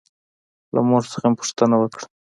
له مور څخه مې پوښتنه وکړه.